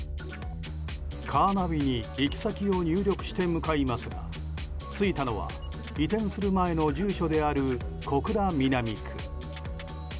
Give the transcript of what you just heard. カーナビに行き先を入力して向かいますがついたのは、移転する前の住所である小倉南区。